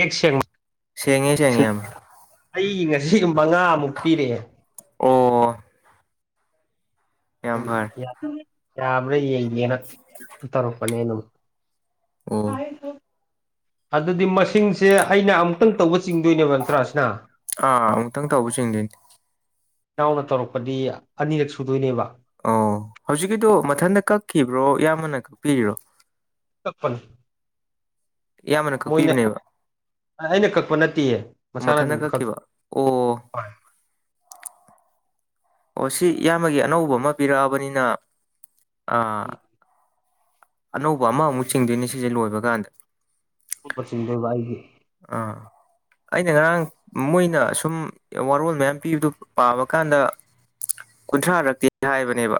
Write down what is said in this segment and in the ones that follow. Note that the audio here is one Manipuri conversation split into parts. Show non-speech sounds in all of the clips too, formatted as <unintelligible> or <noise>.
ꯑꯦꯛ ꯁꯦꯡ ꯁꯦꯡꯉꯦ ꯁꯦ ꯁꯦꯡꯉꯦ ꯌꯥꯝ ꯑꯩ ꯉꯁꯤ ꯃꯉꯥꯃꯨꯛ ꯄꯤꯔꯛꯑꯦ ꯑꯣ ꯌꯥꯝ ꯐꯔꯦ ꯌꯥꯕ꯭ꯔ ꯌꯦ ꯌꯦꯦꯅ ꯇꯧꯔꯛꯄꯅꯦ ꯑꯗꯨ ꯑꯣ ꯑꯗꯗꯤ ꯃ ꯇꯤꯡꯁꯦ ꯑꯩꯅ ꯑꯃꯨꯛꯇꯪ ꯇꯧꯕ ꯆꯤꯡꯗꯣꯏꯅꯦꯕ ꯇ꯭ꯔꯥ ꯁꯤꯅ ꯑꯥ ꯑꯃꯨꯛꯇꯪ ꯇꯧꯕ ꯆꯤꯡꯗꯣꯏꯅꯤ ꯏꯅꯥꯎꯅ ꯇꯧꯔꯛꯄꯗꯤ ꯑꯅꯤꯔꯛ ꯁꯨꯗꯣꯏꯅꯦꯕ ꯑꯣ ꯍꯧꯖꯤꯛꯀꯤꯗꯨꯣ ꯃꯊꯟꯇ ꯀꯛꯈꯤꯕ꯭ꯔꯣ ꯏꯌꯥꯝꯕꯅ ꯀꯛꯄꯤꯔꯤꯔꯣ ꯀꯛꯄꯅꯤ ꯏꯌꯥꯝꯕꯅ ꯀꯛꯄꯤꯕꯅꯦꯕ ꯑꯩꯅ ꯀꯛꯄ ꯅꯠꯇꯦꯌꯦ ꯃꯁꯥꯅ ꯃꯊꯟꯇ ꯑꯗꯨꯝꯛ ꯀꯛꯈꯤꯕ ꯑꯣ ꯍꯣꯏ ꯑꯣ ꯁꯤ ꯏꯌꯥꯝꯕꯒꯤ ꯑꯅꯧꯕ ꯑꯃ ꯄꯤꯔꯛꯑꯕꯅꯤꯅ ꯑꯅꯧꯕ ꯑꯃꯃꯨꯛ ꯆꯤꯡꯗꯣꯏꯅꯦ ꯁꯤꯁꯦ ꯂꯣꯏꯕ ꯀꯥꯟꯗ ꯄꯆꯤꯟꯕ꯭ꯔꯕ ꯑꯩꯒꯤ ꯑꯥ ꯑꯩꯅ ꯉꯔꯥꯡ ꯃꯣꯏꯅ ꯁꯨꯝ ꯋꯥꯔꯣꯜ ꯃꯌꯥꯝ ꯄꯤꯕꯗꯨ ꯄꯥꯕ ꯀꯥꯟꯗ ꯀꯨꯟꯊ꯭ꯔꯥꯔꯛꯇꯤ ꯍꯥꯏꯕꯅꯦꯕ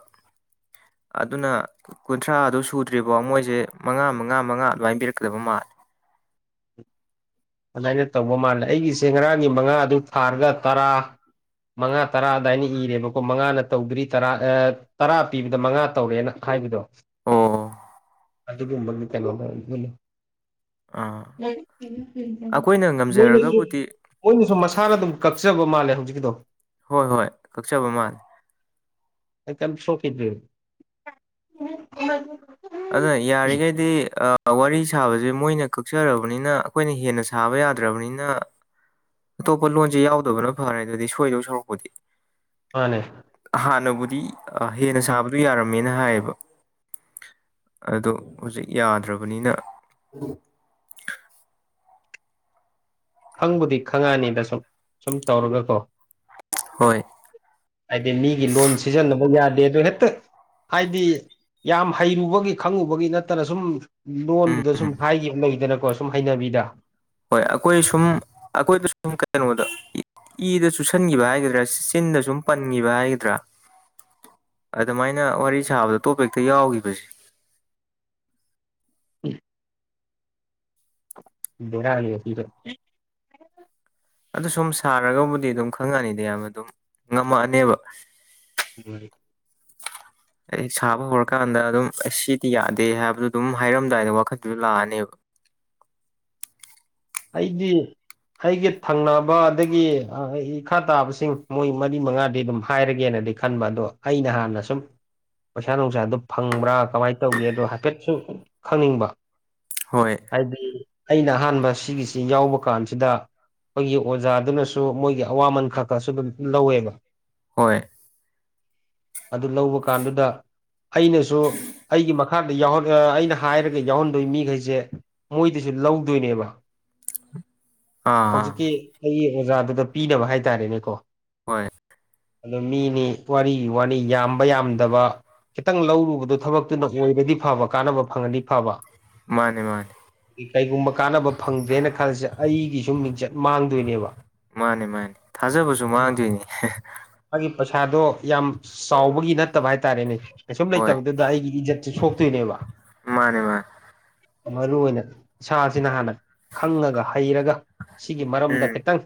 ꯑꯗꯨꯅ ꯀꯨꯟꯊ꯭ꯔꯥ ꯑꯗꯨ ꯁꯨꯗ꯭ꯔꯤꯕꯣ ꯃꯣꯏꯁꯦ ꯃꯉꯥ ꯃꯉꯥ ꯃꯉꯥ ꯑꯗꯨꯃꯥꯏꯅ ꯄꯤꯔꯛꯀꯗꯕ ꯃꯥꯜꯂꯦ ꯑꯗꯨꯃꯥꯏꯅ ꯇꯧꯕ ꯃꯥꯜꯂꯦ ꯑꯩꯒꯤꯁꯦ ꯉꯔꯥꯡꯒꯤ ꯃꯉꯥ ꯑꯗꯨ ꯊꯥꯔꯒ ꯇꯔꯥ ꯃꯉꯥ ꯇꯔꯥ ꯑꯗꯨꯏꯅ ꯏꯔꯦꯕꯀꯣ ꯃꯉꯥꯅ ꯇꯧꯗ꯭ꯔꯤ ꯇꯔꯥ ꯇꯔꯥ ꯄꯤꯕꯗ ꯃꯉꯥ ꯇꯧꯔꯦꯅ ꯍꯥꯏꯕꯗꯣ ꯑꯣ ꯑꯗꯨꯒꯤꯕ ꯀꯂ ꯎ ꯑꯥ ꯑꯩꯈꯣꯏꯅ ꯉꯝꯖꯔꯒꯕꯨꯗꯤ ꯃꯣꯏꯅꯁꯨ ꯃꯅꯁꯨ ꯃꯁꯥꯅ ꯑꯗꯨꯝ ꯀꯛꯆꯕ ꯃꯥꯜꯂꯦ ꯍꯧꯖꯤꯛꯀꯤꯗꯣ ꯍꯣꯏ ꯍꯣꯏ ꯀꯛꯆꯕ ꯃꯥꯜꯂꯦ ꯑꯦ ꯄ꯭ꯔꯣꯐꯤꯠ ꯑꯗꯨꯅ ꯌꯥꯔꯤꯉꯩꯗꯤ ꯑꯥ ꯋꯥꯔꯤ ꯁꯥꯕꯁꯦ ꯃꯣꯏꯅ ꯀꯛꯆꯔꯕꯅꯤꯅ ꯑꯩꯈꯣꯏꯅ ꯍꯦꯟꯅ ꯁꯥ ꯁꯥꯥꯕ ꯌꯥꯗ꯭ꯔꯕꯅꯤꯅ ꯑꯇꯣꯞꯄ ꯂꯣꯟꯁꯤꯦ ꯌꯥꯎꯗꯕꯅ ꯐꯔꯦ ꯑꯗꯨꯗꯤ ꯁꯣꯏꯗꯧ ꯁꯧꯔꯛꯄꯨꯗꯤ ꯃꯥꯅꯦ ꯍꯥꯟꯅꯕꯨꯗꯤ ꯍꯦꯟꯅ ꯁꯥꯕꯗꯨ ꯌꯥꯔꯝꯃꯦꯅ ꯍꯥꯏꯌꯦꯕ ꯑꯗꯣ ꯍꯧꯖꯤꯛ ꯌꯥꯗ꯭ꯔꯕꯅꯤꯅ ꯈꯪꯕꯨꯗꯤ ꯈꯪꯉꯅꯤꯗ ꯁꯨꯝ ꯁꯨꯝ ꯇꯧꯔꯒ ꯀꯣ ꯍꯣꯏ ꯍꯥꯏꯗꯤ ꯃꯤꯒꯤ ꯂꯣꯟ ꯁꯤꯖꯤꯟꯅꯕ ꯌꯥꯗꯦ ꯑꯗꯨꯗꯣ ꯍꯦꯛꯇ ꯍꯥꯏꯗꯤ ꯌꯥꯝ ꯍꯩꯔꯨꯕꯒꯤ ꯈꯪꯉꯨꯕꯒꯤ ꯅꯠꯇꯅ ꯁꯨꯝ ꯎꯝ ꯂꯣꯟꯗꯨꯗ ꯁꯨꯝ ꯍꯥꯏꯒꯤꯕ ꯂꯩꯗꯅꯀꯣ ꯁꯨꯝ ꯍꯩꯅꯕꯤꯗ ꯍꯣꯏ ꯑꯩꯈꯣꯏ ꯁꯨꯝ ꯑꯩꯈꯣꯏꯗ ꯁꯨꯝ ꯀꯩꯅꯣꯗ ꯏꯗ ꯆꯨꯁꯟꯒꯤꯕ ꯍꯥꯏꯒꯗ꯭ꯔꯥ ꯆꯤꯟꯗ ꯁꯨꯝ ꯄꯟꯒꯤꯕ ꯍꯥꯏꯒꯗ꯭ꯔꯥ ꯑꯗꯨꯃꯥꯏꯅ ꯋꯥꯔꯤ ꯁꯥꯕꯗ ꯇꯣꯞ ꯍꯦꯛꯇ ꯌꯥꯎꯒꯤꯕꯖꯤ <unintelligible> ꯕꯦꯔꯥꯅꯤ ꯍꯧꯖꯤꯛꯀꯤꯗꯣ ꯑꯗꯨ ꯁꯨꯝ ꯁꯥꯔꯒꯕꯨꯗꯤ ꯑꯗꯨꯝ ꯈꯪꯉꯛꯑꯅꯤꯗꯤ ꯏꯌꯥꯝꯅ ꯑꯗꯨꯝ ꯉꯝꯃꯛꯑꯅꯦꯕ <unintelligible> ꯑꯩ ꯁꯥꯕ ꯍꯧꯔꯀꯥꯟꯗ ꯑꯗꯨꯝ ꯑꯩꯁ ꯁꯤꯗꯤ ꯌꯥꯗꯦ ꯍꯥꯏꯕꯗꯨ ꯑꯗꯨꯝ ꯍꯥꯏꯔꯝꯗꯥꯏꯗ ꯋꯥꯈꯟꯗꯨꯗ ꯂꯥꯛꯑꯅꯦꯕ ꯑꯩꯗꯤ ꯑꯩꯒ ꯊꯪꯅꯕ ꯑꯗꯒꯤ <unintelligible> ꯈꯥ ꯇꯥꯕꯁꯤꯡ ꯃꯣꯏ ꯃꯔꯤ ꯃꯉꯥꯗꯤ ꯑꯗꯨꯝ ꯍꯥꯏꯔꯒꯦꯅꯗꯤ ꯈꯟꯕ ꯑꯗꯣ ꯑꯩꯅ ꯍꯥꯟꯅ ꯁꯨꯝ ꯄꯩꯁꯥ ꯅꯨꯡꯁꯥꯗꯨ ꯐꯪꯕ꯭ꯔꯥ ꯀꯃꯥꯏꯅ ꯇꯧꯒꯦꯗꯨ ꯍꯥꯏꯐꯦꯠꯁꯨ ꯈꯪꯅꯤꯡꯕ ꯍꯣꯏ ꯍꯥꯏꯗꯤ ꯑꯩꯅ ꯑꯍꯥꯟꯕ ꯁꯤꯒꯤꯁꯤ ꯌꯥꯎꯕ ꯀꯥꯟꯁꯤꯗ ꯑꯩꯈꯣꯏꯒꯤ ꯑꯣꯖꯥꯗꯨꯅꯁꯨ ꯃꯣꯏꯒꯤ ꯑꯋꯥꯃꯟ ꯈꯔ ꯈꯔꯁꯨ ꯑꯗꯨꯝ ꯂꯧꯋꯦꯕ ꯍꯣꯏ ꯑꯗꯨ ꯂꯧꯕ ꯀꯥꯟꯗꯨꯗ ꯑꯩꯅꯁꯨ ꯑꯩꯒꯤ ꯃꯛ ꯈꯥꯗ ꯌꯥꯎ <unintelligible> ꯑꯩꯅ ꯍꯥꯏꯔꯒ ꯌꯥꯎꯍꯟꯗꯣꯏ ꯃꯤꯒꯩꯖꯦ ꯃꯣꯏꯗꯩꯖꯨ ꯂꯧꯗꯣꯏꯅꯦꯕ ꯑꯥ ꯑꯥ ꯍꯧꯖꯤꯛꯀꯤ ꯑꯩꯒꯤ ꯑꯣꯖꯥꯗꯨꯗ ꯄꯤꯅꯕ ꯍꯥꯏꯇꯥꯔꯦꯅꯦꯀꯣ ꯍꯣꯏ ꯑꯗꯣ ꯃꯤꯅꯤ ꯋꯥꯔꯤꯒꯤ ꯋꯥꯅꯤ ꯌꯥꯝꯕ ꯌꯥꯝꯗꯕ ꯈꯤꯇꯪ ꯂꯧꯔꯨꯕꯗꯨ ꯊꯕꯛꯇꯨꯅ ꯑꯣꯏꯔꯗꯤ ꯐꯕ ꯀꯥꯟꯅꯕ ꯐꯪꯉꯗꯤ ꯐꯕ ꯃꯥꯅꯦ ꯃꯥꯅꯦ ꯀꯩꯒꯨꯝꯕ ꯀꯥꯟꯅꯕ ꯐꯪꯗ꯭ꯔꯦꯅ ꯈꯜꯂꯁꯦ ꯑꯩꯒꯤꯁꯨ ꯃꯤꯡꯆꯠ ꯃꯥꯡꯗꯣꯏꯅꯦꯕ ꯃꯥꯅꯤ ꯃꯥꯅꯤ ꯊꯥꯖꯕꯁꯨ ꯃꯥꯡꯗꯣꯏꯅꯤ ꯃꯥꯒꯤ ꯄꯩꯁꯥꯗꯣ ꯌꯥꯝ ꯆꯥꯎꯕꯒꯤ ꯅꯠ ꯇꯕ ꯍꯥꯏꯇꯥꯔꯦꯅꯦ ꯀꯩꯁꯨꯝ ꯍꯣꯏ ꯂꯩꯇꯕꯗꯨꯗ ꯑꯩꯒꯤ ꯏꯖꯠꯁꯨ ꯁꯣꯛꯇꯣꯏꯅꯦꯕ ꯃꯥꯅꯦ ꯃꯥꯅꯦ ꯃꯔꯨ ꯑꯣꯏꯅ ꯏꯁꯥꯁꯤꯅ ꯍꯥꯟꯅ ꯈꯪꯉꯒ ꯍꯩꯔꯒ ꯁꯤꯒꯤ ꯃꯔꯝꯗ ꯎꯝ ꯈꯤꯇꯪ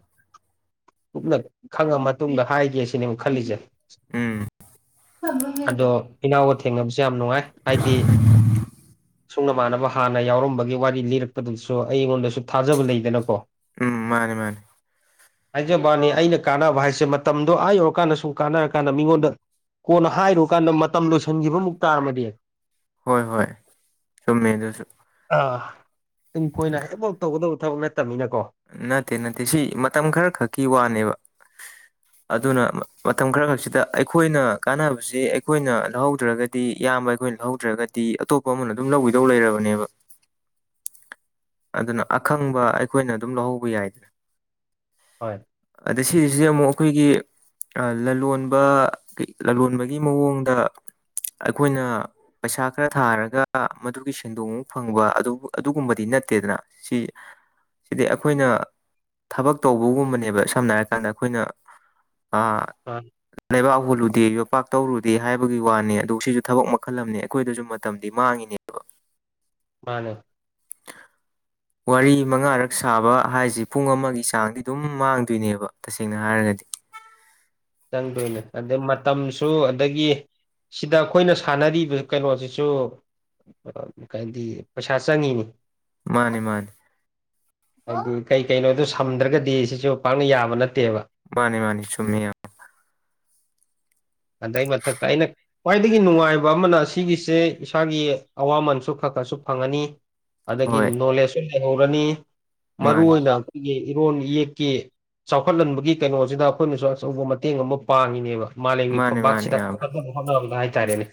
ꯀꯨꯞꯅ ꯈꯪꯉ ꯃꯇꯨꯡꯗ ꯍꯥꯏꯒꯦ ꯁꯤꯅꯦꯕ ꯈꯜꯂꯤꯖꯦ ꯎꯝ ꯑꯗꯣ ꯏꯅꯥꯎꯒ ꯊꯦꯡꯅꯕꯁꯦ ꯌꯥꯝ ꯅꯨꯡꯉꯥꯏ ꯍꯥꯏꯗꯤ ꯁꯨꯡ ꯅꯃꯥꯟꯅꯕ ꯍꯥꯟꯅ ꯌꯥꯎꯔꯝꯕꯒꯤ ꯋꯥꯔꯤ ꯂꯤꯔꯛꯄꯗꯨꯁꯨ ꯑꯩꯉꯣꯟꯗꯁꯨ ꯊꯥꯖꯕ ꯂꯩꯗꯅꯀꯣ ꯎꯝ ꯃꯥꯅꯦ ꯃꯥꯅꯦ ꯍꯥꯏꯖꯕ꯭ꯋꯥꯅꯤ ꯑꯩꯅ ꯀꯥꯟꯅꯕ ꯍꯥꯏꯁꯦ ꯃꯇꯝꯗꯣ ꯑ ꯌꯧꯔꯀꯥꯟꯗ ꯁꯨꯝ ꯀꯥꯟꯅꯔ ꯀꯥꯟꯗ ꯃꯤꯉꯣꯟꯗ ꯀꯣꯟꯅ ꯍꯥꯏꯔꯨꯀꯥꯟꯗ ꯃꯇꯝ ꯂꯣꯏꯁꯟꯒꯤꯕ ꯑꯃꯨꯛ ꯇꯥꯔꯝꯃꯗꯤ ꯍꯣꯏ ꯍꯣꯏ ꯆꯨꯝꯃꯦ ꯑꯗꯨꯁꯨ ꯑꯥ ꯇꯨꯡ ꯀꯣꯏꯅ ꯍꯌꯦꯡꯐꯧ ꯇꯧꯒꯗꯕ ꯊꯕꯛ ꯅꯠꯇꯝꯅꯤꯅꯀꯣ ꯅꯠꯇꯦ ꯅꯠꯇꯦ ꯁꯤ ꯃꯇꯝ ꯈꯔ ꯈꯛꯀꯤ ꯋꯥꯅꯦꯕ <inaudible> ꯑꯗꯨꯅ ꯃꯇꯝ ꯈꯔ ꯈꯛꯁꯤꯗ ꯑꯩꯈꯣꯏꯅ ꯀꯥꯟꯅꯕꯁꯤ ꯑꯩꯈꯣꯏꯅ ꯂꯧꯍꯧꯗ꯭ꯔꯒ ꯗꯤ ꯏꯌꯥꯝꯕ ꯑꯩꯈꯣꯏꯅ ꯂꯧꯍꯧꯗ꯭ꯔꯒꯗꯤ ꯑꯇꯣꯞꯄ ꯑꯃꯅ ꯑꯗꯨꯝ ꯂꯧꯒꯤꯗꯧ ꯂꯩꯔꯕꯅꯦꯕ <inaudible> ꯑꯗꯨꯅ ꯑꯈꯪꯕ ꯑꯩꯈꯣꯏꯅ ꯑꯗꯨꯝ ꯂꯧꯍꯧꯕ ꯌꯥꯏꯗꯅ ꯍꯣꯏ ꯑꯗ ꯁꯤꯁꯤ ꯑꯃꯨꯛ ꯑꯩꯈꯣꯏꯒꯤ ꯑ ꯂꯂꯣꯟꯕ ꯂꯂꯣꯟꯕꯒꯤ ꯃꯑꯣꯡꯗ ꯑꯩꯈꯣꯏꯅ ꯄꯩꯁꯥ ꯈꯔ ꯊꯥꯔꯒ ꯃꯗꯨꯒꯤ ꯁꯦꯟꯗꯣꯡ ꯃꯨꯛ ꯐꯪꯕ ꯑꯗꯨ ꯑꯗꯨꯒꯨꯝꯕꯗꯤ ꯅꯠꯇꯦꯗꯅ ꯁꯤ ꯁꯤꯗꯤ ꯑꯩꯈꯣꯏꯅ ꯊꯕꯛ ꯇꯧꯕꯒꯨꯝꯕꯅꯦꯕ ꯁꯝꯅ ꯍꯥꯏꯔꯀꯥꯟꯗ ꯑꯩꯈꯣꯏꯅ ꯑꯥ <unintelligible> ꯂꯩꯕꯥꯛ ꯍꯨꯣꯜꯂꯨꯗꯦ ꯌꯣꯄꯥꯛ ꯇꯧꯔꯨꯗꯦ ꯍꯥꯏꯕꯒꯤ ꯋꯥꯅꯤ ꯑꯗꯨ ꯁꯤꯁꯨ ꯊꯕꯛ ꯃꯈꯜ ꯑꯃ ꯑꯩꯈꯣꯏꯗꯁꯨ ꯃꯇꯝꯗꯤ ꯃꯥꯡꯉꯤꯅꯦ ꯃꯥꯅꯦ ꯋꯥꯔꯤ ꯃꯉꯥꯔꯛ ꯁꯥꯕ ꯍꯥꯏꯁꯤ ꯄꯨꯡ ꯑꯃꯒꯤ ꯆꯥꯡꯗꯤ ꯑꯗꯨꯝ ꯃꯥꯡꯗꯣꯏꯅꯦꯕ ꯇꯁꯦꯡꯅ ꯍꯥꯏꯔꯒꯗꯤ ꯆꯪꯗꯣꯏꯅꯦ ꯑꯗꯩ ꯃꯇꯝꯁꯨ ꯑꯗꯥꯒꯤ ꯁꯤꯗ ꯑꯩꯈꯣꯏꯅ ꯁꯥꯟꯅꯔꯤꯕ ꯀꯩꯅꯣꯁꯤꯁꯨ ꯑꯥ ꯒꯥꯟꯙꯤ ꯄꯩꯁꯥ ꯆꯪꯉꯤꯅꯤ ꯃꯥꯅꯤ ꯃꯥꯅꯤ ꯑꯗꯨ ꯀꯩ ꯀꯩꯅꯣꯗꯣ ꯁꯝꯗ꯭ꯔꯒꯗꯤ ꯁꯤꯁꯨ ꯄꯥꯛꯅ ꯌꯥꯕ ꯅꯠꯇꯦꯕ ꯃꯥꯅꯤ ꯃꯥꯅꯤ ꯆꯨꯝꯃꯤꯌꯥ ꯑꯗꯩꯏ ꯃꯊꯥꯛꯇꯥ ꯑꯩꯅ ꯈ꯭ꯋꯥꯏꯗꯒꯤ ꯅꯨꯡꯉꯥꯏꯕ ꯑꯃꯅ ꯑꯁꯤꯒꯤꯁꯦ ꯏꯁꯥꯒꯤ ꯑꯋꯥꯃꯟꯁꯨ ꯈꯔ ꯈꯔꯁꯨ ꯐꯪꯉꯅꯤ ꯑꯗꯥꯒꯤ ꯍꯣꯏ ꯅꯣꯂꯦꯖꯁꯨ ꯂꯩꯍꯧꯔꯅꯤ ꯃꯔꯨ ꯃꯥꯅꯤ ꯑꯣꯏꯅ ꯑꯩꯈꯣꯏꯒꯤ ꯏꯔꯣꯟ ꯏꯌꯦꯛꯀꯤ ꯆꯥꯎꯈꯠꯍꯟꯕꯒꯤ ꯀꯩꯅꯣꯁꯤꯗ ꯑꯩꯈꯣꯏꯅꯁꯨ ꯑꯆꯧꯕ ꯃꯇꯦꯡ ꯑꯃ ꯄꯥꯡꯉꯤꯅꯦꯕ ꯃꯥꯂꯦꯝꯒꯤ ꯃꯥꯅꯤ ꯃꯥꯅꯤ ꯐꯝꯄꯥꯛꯁꯤꯗ ꯆꯥꯎꯈꯠꯅꯕ ꯍꯣꯠꯅꯕꯗ ꯍꯥꯢ ꯇꯔꯦꯅꯦ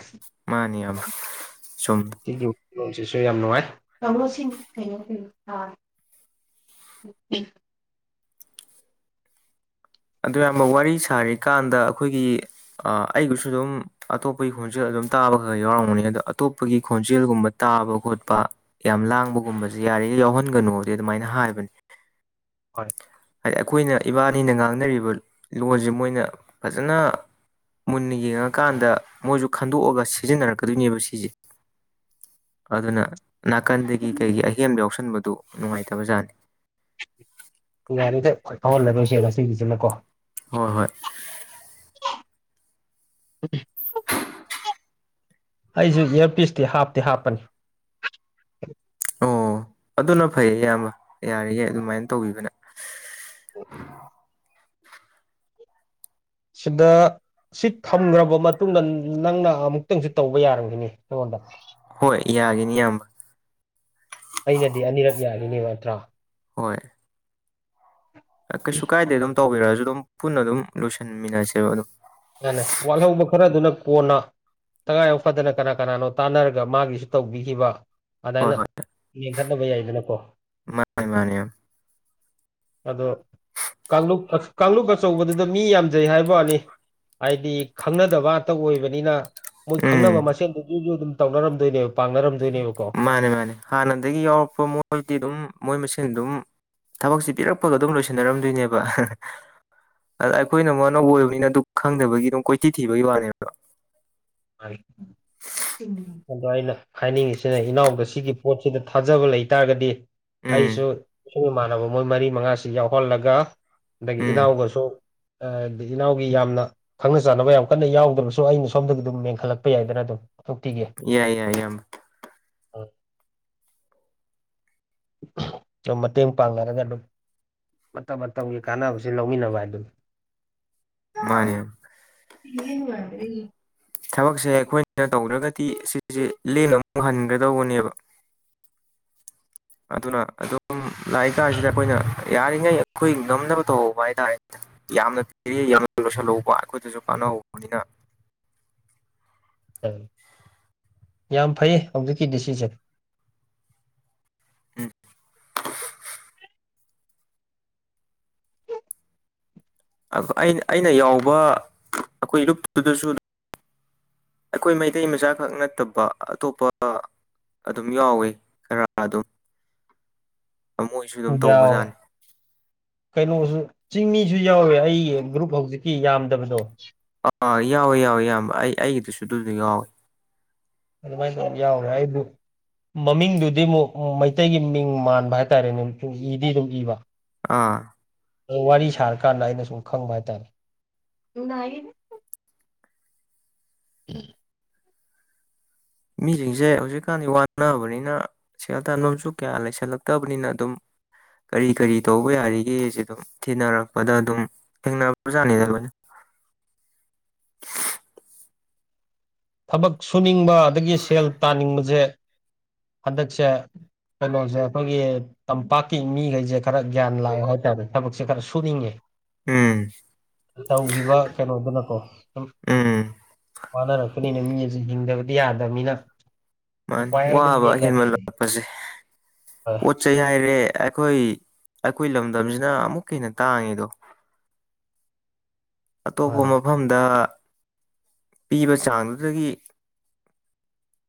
ꯃꯥꯅꯦ ꯏꯤꯌꯥꯝꯕ ꯁꯨꯝ ꯅꯦꯜꯁꯤꯁꯨ ꯌꯥꯝ ꯅꯨꯡꯉꯥꯏ <unintelligible> ꯑꯗꯨ ꯏꯌꯥꯝꯕ ꯋꯥꯔꯤ ꯁꯥꯔꯤꯀꯥꯟꯗ ꯑꯩꯈꯣꯏꯒꯤ ꯑꯩꯒꯤꯁꯨ ꯑꯗꯨꯝ ꯑꯇꯣꯞꯄꯒꯤ ꯈꯣꯟꯖꯦꯜ ꯑꯗꯨꯝ ꯇꯥꯕ ꯈꯔ ꯌꯥꯎꯔꯝꯒꯅꯤ ꯑꯗꯣ ꯑꯇꯣꯞꯄꯒꯤ ꯈꯣꯟꯖꯦꯜꯒꯨꯝꯕ ꯇꯥꯕ ꯈꯣꯠꯄ ꯌꯥꯝ ꯂꯥꯡꯕꯒꯨꯝꯕꯁꯦ ꯌꯥꯔꯤꯈꯩꯏ ꯌꯥꯎꯍꯟꯒꯅꯨꯗꯤ ꯑꯗꯨꯃꯥꯏꯅ ꯍꯥꯏꯕꯅꯦ ꯍꯣꯏ ꯑꯩꯈꯣꯏꯅ ꯏꯕꯥꯅꯤꯅ ꯉꯥꯡꯅꯔꯤꯕ ꯂꯣꯟꯁꯦ ꯃꯣꯏꯅ ꯐꯖꯅ ꯃꯨꯟꯅ ꯌꯦꯡꯉꯀꯥꯟꯗ ꯃꯣꯏꯁꯨ ꯈꯟꯗꯣꯛꯑꯒ ꯁꯤꯖꯤꯟꯅꯔꯛꯀꯗꯣꯏꯅꯦꯕ ꯁꯤꯁꯦ ꯑꯗꯨꯅ ꯅꯥꯀꯟꯗꯒꯤ ꯀꯩꯒꯤ ꯑꯍꯦꯟꯕ ꯌꯥꯎꯁꯟꯕꯗꯨ ꯅꯨꯡꯉꯥꯏꯇꯕꯖꯥꯠꯅꯤ ꯌꯥꯔꯦꯗꯥ ꯐꯥꯎꯍꯜꯂꯔꯣꯏꯁꯦ ꯉꯁꯤꯒꯤꯁꯤꯅꯀꯣ ꯍꯣꯏ ꯍꯣꯏ <unintelligible> ꯑꯩꯁꯨ ꯏꯌꯔꯄꯤꯁꯇꯤ ꯍꯥꯞꯇꯤ ꯍꯥꯞꯄꯅꯤ ꯑꯣ ꯑꯗꯨꯅ ꯐꯩꯌꯦ ꯏꯌꯥꯝꯕ ꯌꯥꯔꯤꯈꯩꯏ ꯑꯗꯨꯃꯥꯏꯅ ꯇꯧꯕꯤꯕꯅꯦ ꯁꯤꯗ ꯁꯤ ꯊꯝꯈ꯭ꯔꯕ ꯃꯇꯨꯡꯗ ꯅꯪꯅ ꯑꯃꯨꯛꯇꯪꯁꯨ ꯇꯧꯕ ꯌꯥꯔꯝꯒꯅꯤ ꯑꯩꯉꯣꯟꯗ ꯍꯣꯏ ꯌꯥꯒꯅꯤ ꯏꯌꯥꯝꯕ ꯑꯩꯅꯗꯤ ꯑꯅꯤꯔꯛ ꯌꯥꯒꯤꯅꯤ ꯅꯠꯇ꯭ꯔꯥ ꯍꯣꯏ ꯀꯩꯁꯨ ꯀꯥꯏꯗꯦ ꯑꯗꯨꯝ ꯇꯧꯕꯤꯔꯛꯑꯁꯨ ꯑꯗꯨꯝ ꯄꯨꯟꯅ ꯑꯗꯨꯝ ꯂꯣꯏꯁꯤꯟꯃꯤꯟꯅꯁꯦꯕ ꯑꯗꯨꯝ ꯌꯥꯅꯤ ꯋꯥꯠꯍꯧꯕ ꯈꯔꯗꯨꯅ ꯀꯣꯟꯅ ꯇꯉꯥꯏꯐꯥꯎ ꯐꯗꯅ ꯀꯅꯥ ꯀꯅꯥꯅꯣ ꯇꯥꯟꯅꯔꯒ ꯃꯥꯒꯤꯁꯨ ꯇꯧꯕꯤꯈꯤꯕ ꯍꯣꯏ ꯑꯗꯥꯏꯅ ꯍꯣꯏ ꯃꯦꯡ ꯈꯠꯅꯕ ꯌꯥꯏꯗꯅꯀꯣ ꯃꯥꯅꯦ ꯃꯥꯅꯦ ꯑꯗꯣ ꯀꯥꯡꯂꯨꯞ ꯀꯥꯡꯂꯨꯞ ꯑꯆꯧꯕꯗꯨꯗꯥ ꯃꯤ ꯌꯥꯝꯖꯩ ꯍꯥꯏꯕꯋꯥꯅꯤ ꯍꯥꯏꯗꯤ ꯈꯪꯅꯗꯕ ꯉꯥꯛꯇ ꯑꯣꯏꯕꯅꯤꯅ ꯃꯣꯏ ꯈꯪꯅꯕ ꯎꯝ ꯃꯁꯦꯟꯗꯨ ꯖꯨꯖꯨ ꯑꯗꯨꯝ ꯇꯧꯅꯔꯝꯗꯣꯏꯅꯦꯕ ꯄꯥꯡꯅꯔꯝꯗꯣꯏꯅꯦꯕꯀꯣ ꯃꯥꯅꯦ ꯃꯥꯅꯦ ꯍꯥꯟꯅꯗꯒꯤ ꯌꯥꯎꯔꯛꯄ ꯃꯣꯏꯗꯤ ꯑꯗꯨꯝ ꯃꯣꯏ ꯃꯁꯦꯟ ꯑꯗꯨꯝ ꯊꯕꯛꯁꯦ ꯄꯤꯔꯛꯄꯒ ꯑꯗꯨꯝ ꯂꯣꯏꯁꯤꯟꯅꯔꯝꯗꯣꯏꯅꯦꯕ ꯑꯩꯈꯣꯏꯅ ꯑꯃꯨꯛ ꯑꯅꯧꯕ ꯑꯣꯏꯕꯅꯤꯅ ꯑꯗꯨ ꯈꯪꯗꯕꯒꯤ ꯑꯗꯨꯝ ꯀꯣꯏꯊꯤ ꯊꯤꯕꯒꯤ ꯋꯥꯅꯦꯕ <unintelligible> ꯑꯗꯣ ꯑꯩꯅ ꯍꯥꯏꯅꯤꯡꯉꯤꯁꯤꯅ ꯏꯅꯥꯎꯗ ꯁꯤꯒꯤ ꯄꯣꯠꯁꯤꯗ ꯊꯥꯖꯕ ꯂꯩꯇꯥꯥꯔꯒꯗꯤ ꯎꯝ ꯑꯩꯁꯨ ꯏꯁꯨ ꯏꯃꯥꯟꯅꯕ ꯃꯣꯏ ꯃꯔꯤ ꯃꯉꯥꯁꯤ ꯌꯥꯎꯍꯜꯂꯒ ꯑꯗꯥꯒꯤ ꯎꯝ ꯏꯅꯥꯎꯒꯁꯨꯣ ꯑꯥ ꯏꯅꯥꯎꯒꯤ ꯌꯥꯝꯅ ꯈꯪꯅ ꯆꯥꯟꯅꯕ ꯌꯥꯝ ꯀꯟꯅ ꯌꯥꯎꯗ꯭ꯔꯕꯁꯨ ꯑꯩꯅ ꯁꯣꯝꯗ ꯑꯗꯨꯝ ꯃꯦꯟꯈꯠꯂꯛꯄ ꯌꯥꯏꯗꯅ ꯑꯗꯨꯝ ꯊꯣꯛꯄꯤꯒꯦ ꯌꯥꯏ ꯌꯥꯏ ꯌꯥꯝ ꯑ <unintelligible> ꯑꯗꯨꯝ ꯃꯇꯦꯡ ꯄꯥꯡꯅꯔꯒ ꯑꯗꯨꯝ ꯃꯇꯝ ꯃꯇꯝꯒꯤ ꯀꯥꯟꯅꯕꯁꯦ ꯂꯧꯃꯤꯟꯅꯕ ꯍꯥꯏꯗꯨꯅꯤ ꯃꯥꯅꯦ <unintelligible> ꯊꯕꯛꯁꯦ ꯑꯩꯈꯣꯏꯅ ꯇꯧꯗ꯭ꯔꯒꯗꯤ ꯁꯤꯁꯦ ꯂꯦꯝꯅ ꯑꯃꯨꯛ ꯍꯟꯒꯗꯧꯕꯅꯦꯕ ꯑꯗꯨꯅ ꯑꯗꯨꯝ ꯂꯥꯛꯏ ꯀꯥꯟꯁꯤꯗ ꯑꯩꯈꯣꯏꯅ ꯌꯥꯔꯤꯈꯩ ꯑꯩꯈꯣꯏ ꯉꯝꯅꯕ ꯇꯧꯍꯧꯕ ꯍꯥꯏꯇꯥꯔꯦꯅꯦ ꯌꯥꯝꯅ <unintelligible> ꯌꯥꯝꯅ ꯂꯣꯏꯁꯜꯍꯧꯕ ꯑꯩꯈꯣꯏꯗꯁꯨ ꯀꯥꯟꯅꯍꯧꯕꯅꯤꯅ ꯌꯥꯝ ꯐꯩ ꯍꯧꯖꯤꯛꯀꯤꯗꯤ ꯁꯤꯁꯦ ꯎꯝ ꯑꯩꯅ ꯌꯥꯎꯕ ꯑꯩꯈꯣꯏ ꯂꯨꯞꯇꯨꯗꯁꯨ ꯑꯩꯈꯣꯏ ꯃꯩꯇꯩ ꯃꯆꯥ ꯈꯛ ꯅꯠꯇꯕ ꯑꯇꯣꯞꯄ ꯑꯗꯨꯝ ꯌꯥꯎꯋꯤ ꯈꯔ ꯑꯗꯨꯝ ꯃꯣꯏꯁꯨ ꯑꯗꯨꯝ ꯌꯥꯎꯋꯦ ꯇꯧꯕꯖꯥꯠꯅꯤ ꯀꯩꯅꯣꯁꯨ ꯆꯤꯡꯃꯤꯁꯨ ꯌꯥꯎꯋꯦ ꯑꯩꯒꯤ ꯒ꯭ꯔꯨꯞ ꯍꯧꯖꯤꯛꯀꯤ ꯌꯥꯝꯗꯕꯗꯣ ꯑꯥ ꯌꯥꯎꯋꯦ ꯌꯥꯎꯋꯦ ꯏꯌꯥꯝꯕ ꯑꯩ ꯑꯩꯒꯤꯗꯨꯁꯨ ꯑꯗꯨꯗꯣ ꯌꯥꯎꯋꯤ ꯑꯗꯨꯃꯥꯏꯅ ꯇꯧꯔ ꯌꯥꯎꯔꯦ <unintelligible> ꯃꯃꯤꯡꯗꯨꯗꯤ ꯑꯃꯨꯛ ꯃꯩꯇꯩꯒꯤ ꯃꯤꯡ ꯃꯥꯟꯕ ꯍꯥꯏꯇꯥꯔꯦꯅꯦ ꯄꯨꯡ ꯏꯗꯤ ꯑꯗꯨꯝ ꯏꯕ ꯑꯥ ꯋꯥꯔꯤ ꯁꯥꯔꯀꯥꯟꯗ ꯑꯩꯅ ꯁꯨꯝ ꯈꯪꯕ ꯍꯥꯏꯇꯥꯔꯦ <unintelligible> ꯃꯤꯁꯤꯡꯁꯦ ꯍꯧꯖꯤꯛꯀꯥꯟꯗꯤ ꯋꯥꯅꯕꯅꯤꯅ ꯁꯦꯜ ꯇꯥꯟꯐꯝꯁꯨ ꯀꯌꯥ ꯂꯩꯁꯜꯂꯛꯇꯕꯅꯤꯅ ꯑꯗꯨꯝ ꯀꯔꯤ ꯀꯔꯤ ꯇꯧꯕ ꯌꯥꯔꯤꯒꯦ ꯁꯤ ꯑꯗꯨꯝ ꯊꯤꯅꯔꯛꯄꯗ ꯑꯗꯨꯝ ꯊꯦꯡꯅꯔꯛꯄ ꯖꯥꯠꯅꯤꯗ ꯂꯣꯏꯅ ꯊꯕꯛ ꯁꯨꯅꯤꯡꯕ ꯑꯗꯒꯤ ꯁꯦꯜ ꯇꯥꯅꯤꯡꯕꯁꯦ ꯍꯟꯗꯛꯁ ꯀꯩꯅꯣꯁꯦ ꯑꯩꯈꯣꯏꯒꯤ ꯇꯝꯄꯥꯛꯀꯤ ꯃꯤꯈꯩꯁꯦ ꯈꯔ ꯒ꯭ꯌꯥꯟ ꯂꯥꯛꯑꯦ ꯍꯥꯏꯇꯥꯔꯦ ꯊꯕꯛꯁꯦ ꯈꯔ ꯁꯨꯅꯤꯡꯉꯦ ꯎꯝ ꯇꯧꯈꯤꯕ ꯀꯩꯅꯣꯗꯨꯅꯀꯣ ꯁꯨꯝ ꯎꯝ ꯋꯥꯅꯔꯛꯄꯅꯤꯅ ꯃꯤꯁꯦ ꯍꯤꯡꯗꯕꯗꯤ ꯌꯥꯗꯃꯤꯅ ꯃꯥꯅꯦ ꯋꯥꯕ ꯍꯦꯟꯃꯂꯛꯄꯁꯦ ꯍꯣꯏ ꯄꯣꯠ ꯆꯩ ꯍꯥꯏꯔꯦ ꯑꯩꯈꯣꯏ ꯑꯩꯈꯣꯏ ꯂꯝꯗꯝꯁꯤꯅ ꯑꯃꯨꯛꯀ ꯍꯦꯟꯅ ꯇꯥꯡꯉꯤꯗꯣ ꯑꯇꯣꯞꯄ ꯃꯥꯅꯦ ꯃꯐꯝꯗ ꯄꯤꯕ ꯆꯥꯡꯗꯨꯗꯒꯤ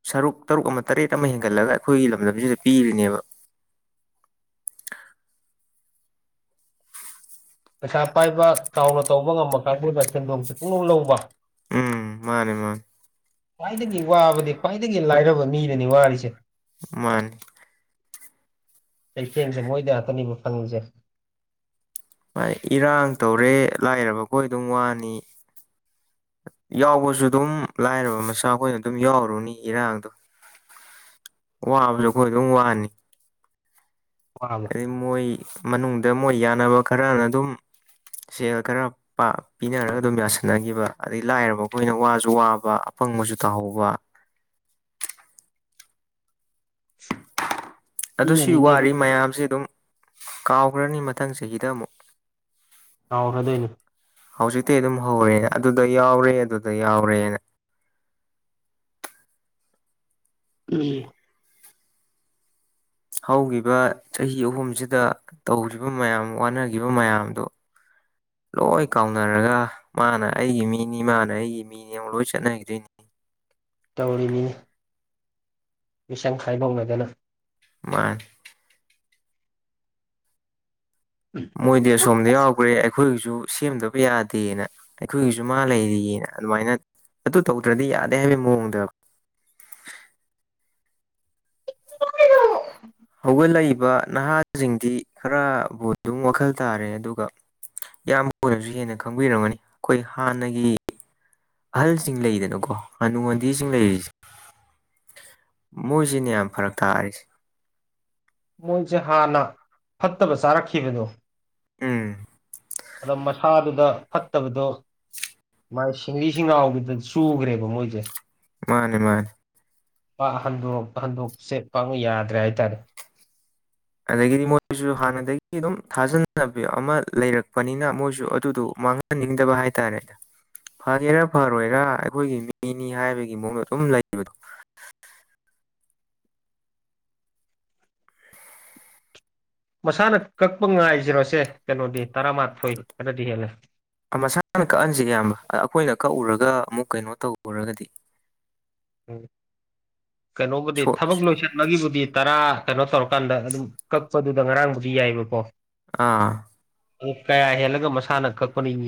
ꯁꯔꯨꯛ ꯇꯔꯨꯛ ꯑꯃ ꯇꯔꯦꯠ ꯑꯃ ꯍꯦꯟꯒꯠꯂꯒ ꯑꯩꯈꯣꯏꯒꯤ ꯂꯝꯗꯝꯁꯤꯗ ꯄꯤꯔꯤꯅꯦꯕ ꯄꯩꯁꯥ ꯄꯥꯏꯕ ꯆꯥꯎꯅ ꯇꯧꯕ ꯉꯝꯕ ꯀꯥꯡꯕꯨꯅ ꯁꯦꯟꯗꯣꯡꯁꯦ ꯄꯨꯡꯂꯧ ꯂꯧꯕ ꯎꯝ ꯃꯥꯅꯦ ꯃꯥꯅꯤ ꯈ꯭ꯋꯥꯏꯗꯒꯤ ꯋꯥꯕꯗꯤ ꯈ꯭ꯋꯥꯏꯗꯒꯤ ꯂꯥꯏꯔꯕ ꯃꯤꯅꯅꯤ ꯋꯥꯔꯤꯁꯦ ꯃꯥꯅꯤ ꯆꯩꯊꯦꯡꯁꯦ ꯃꯣꯏꯗ ꯉꯥꯛꯇꯅꯤꯕ ꯐꯪꯉꯤꯁꯦ ꯏꯔꯥꯡ ꯇꯧꯔꯦ ꯂꯥꯏꯔꯕ ꯑꯩꯈꯣꯏ ꯑꯗꯨꯝ ꯋꯥꯅꯤ ꯌꯥꯎꯕꯁꯨ ꯑꯗꯨꯝ ꯂꯥꯏꯔꯕ ꯃꯆꯥ ꯑꯩꯈꯣꯏꯅ ꯑꯗꯨꯝ ꯌꯥꯎꯔꯨꯅꯤ ꯏꯔꯥꯡꯗꯣ ꯋꯥꯕꯁꯨ ꯑꯩꯈꯣꯏ ꯑꯗꯨꯝ ꯋꯥꯅꯤ <unintelligible> ꯑꯗꯩ ꯃꯣꯏ ꯃꯅꯨꯡꯗ ꯃꯣꯏ ꯌꯥꯅꯕ ꯈꯔꯅ ꯑꯗꯨꯝ ꯁꯦꯜ ꯈꯔ ꯄꯥ ꯄꯤꯅꯔꯒ ꯑꯗꯨꯝ ꯌꯥꯁꯟꯅꯈꯤꯕ ꯑꯗꯩ ꯂꯥꯏꯔꯕ ꯑꯩꯈꯣꯏꯅ ꯋꯥꯁꯨ ꯋꯥꯕ ꯑꯄꯪꯕꯁꯨ ꯇꯥꯍꯧꯕ <inaudible> ꯑꯗꯨ ꯁꯤ ꯃꯤꯅꯅꯤꯅꯦ ꯋꯥꯔꯤ ꯃꯤꯅ ꯃꯌꯥꯝꯁꯦ ꯑꯗꯨꯝ ꯀꯥꯎꯈ꯭ꯔꯅꯤ ꯃꯊꯪ ꯆꯍꯤꯗ ꯑꯃꯨꯛ ꯀꯥꯎꯈ꯭ꯔꯗꯣꯏꯅꯦ ꯍꯧꯖꯤꯛꯇꯩ ꯑꯗꯨꯝ ꯍꯧꯔꯦ ꯑꯗꯨꯗ ꯌꯥꯎꯔꯦ ꯑꯗꯨꯗ ꯌꯥꯎꯔꯦꯅ ꯎꯝ ꯍꯧꯈꯤꯕ ꯆꯍꯤ ꯑꯍꯨꯝꯁꯤꯗ ꯇꯧꯈꯤꯕ ꯃꯌꯥꯝ ꯋꯥꯅꯈꯤꯕ ꯃꯌꯥꯝꯗꯣ ꯂꯣꯏ ꯀꯥꯎꯅꯔꯒ ꯃꯥꯅ ꯑꯩꯒꯤ ꯃꯤꯅꯤ ꯃꯥꯅ ꯑꯩꯒꯤ ꯃꯤꯅꯤ ꯑꯃꯛ ꯂꯣꯏ ꯆꯠꯅꯈꯤꯗꯣꯏꯅꯤ ꯇꯧꯔꯤꯅꯤ ꯃꯤꯁꯪ ꯈꯥꯏꯕꯣꯛꯅꯗꯅ ꯃꯥꯅꯤ ꯎꯝ ꯃꯣꯏꯗꯤ ꯑꯁꯣꯝꯗ ꯌꯥꯎꯒ꯭ꯔ‌ꯦ ꯑꯩꯈꯣꯏꯒꯤꯁꯨ ꯁꯦꯝꯗꯕ ꯌꯥꯗꯦꯅ ꯑꯩꯈꯣꯏꯒꯤꯁꯨ ꯃꯥ ꯂꯩꯔꯤꯌꯦꯅ ꯑꯗꯨꯃꯥꯏꯅ ꯑꯗꯨ ꯇꯧꯗ꯭ꯔꯗꯤ ꯌꯥꯗꯦ ꯍꯥꯏꯕꯒꯤ ꯃꯑꯣꯡꯗ ꯍꯧꯒꯠꯂꯛꯏꯕ ꯅꯍꯥꯁꯤꯡꯗꯤ ꯈꯔꯕꯨ ꯑꯗꯨꯝ ꯋꯥꯈꯜ ꯇꯥꯔꯦ ꯑꯗꯨꯒ ꯏꯌꯥꯝꯕ ꯑꯣꯏꯅꯖꯨ ꯍꯦꯟꯅ ꯈꯪꯕꯤꯔꯝꯃꯅꯤ ꯑꯩꯈꯣꯏ ꯍꯥꯟꯅꯒꯤ ꯑꯍꯜꯁꯤꯡ ꯂꯩꯗꯅꯀꯣ ꯍꯥꯅꯨ ꯍꯥꯟꯙꯤꯁꯤꯡ ꯂꯩꯔꯤꯁꯦ ꯃꯣꯏꯁꯤꯅꯦ ꯌꯥꯝ ꯐꯔꯛ ꯊꯥꯔꯤꯁꯦ ꯃꯣꯏꯖ‌ꯦ ꯍꯥꯟꯅ ꯐꯠꯇꯕ ꯆꯥꯔꯛꯈꯤꯕꯗꯣ ꯎꯝ ꯑꯗ ꯃꯁꯥꯗꯨꯗ ꯐꯠꯇꯕꯗꯣ ꯃꯥꯥꯏ ꯁꯤꯡꯂꯤ ꯁꯤꯡꯅꯥꯥꯎꯒꯤꯗ ꯆꯨꯒ꯭ꯔ‌ꯦꯕ ꯃꯣꯏꯁꯦ ꯃꯥꯅꯦ ꯃꯥꯅ‌ꯦ ꯄ ꯍꯟꯗꯣꯔꯛꯄ ꯍꯟꯗ‌ꯣꯛꯐꯁꯦ ꯄꯥꯛꯅ ꯌꯥꯗ꯭ꯔꯦ ꯍꯥꯏꯇꯥꯔꯦ ꯑꯗꯒꯤꯗꯤ ꯃꯣꯏꯁꯨ ꯍꯥꯟꯅꯗꯒꯤ ꯑꯗꯨꯝ ꯊꯥꯖꯅꯕꯤ ꯑꯃ ꯂꯩꯔꯛꯄꯅꯤꯅ ꯃꯣꯏꯁꯨ ꯑꯗꯨꯗ‌ꯣ ꯃꯥꯡ ꯅꯤꯡꯗꯕ ꯍꯥꯏꯇꯥꯔꯦ ꯐꯒ‌ꯦꯔꯥ ꯐꯔꯣꯏꯔꯥ ꯑꯩꯈꯣꯏꯒꯤ ꯃꯤꯅꯤ ꯍꯥꯏꯕꯒꯤ ꯃꯑꯣꯡꯗ ꯑꯗꯨꯝ ꯂꯩꯕꯗꯣ ꯃꯁꯥꯅ ꯀꯛꯄ ꯉꯥꯏꯖꯔꯣꯁꯦ ꯀꯩꯅꯣꯗꯤ ꯇꯔꯥꯃꯥꯊꯣꯏ ꯈꯔꯗꯤ ꯍꯦꯜꯂꯦ ꯃꯁꯥꯅ ꯀꯛꯍꯟꯁꯦ ꯑꯌꯥꯝꯕ ꯑꯩꯈꯣꯏꯅ ꯀꯛꯎꯔꯒ ꯑꯃꯨꯛ ꯀꯩꯅꯣ ꯇꯧꯔꯨꯔꯒꯗꯤ ꯎꯝ ꯀꯩꯅꯣꯕꯨꯗꯤ ꯁꯣ ꯊꯕꯛ ꯂꯣꯏꯁꯤꯟꯕꯒꯤꯕꯨꯗꯤ ꯇꯔꯥ ꯀꯩꯅꯣ ꯇꯧꯔꯀꯥꯟꯗ ꯑꯗꯨꯝ ꯀꯛꯄꯗꯨꯗ ꯉꯔꯥꯡꯕꯨꯗꯤ ꯌꯥꯏꯕꯀꯣ ꯑꯥ ꯀꯌꯥ ꯍꯦꯜꯂꯒ ꯃꯁꯥꯅ ꯀꯛꯄꯅꯤ ꯌꯦ